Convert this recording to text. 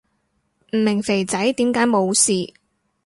唔明肥仔點解冇事